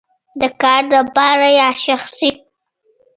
د کار لپاره یا شخصی؟